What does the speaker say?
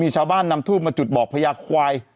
ชาวบ้านนำทูบมาจุดบอกพญาควาย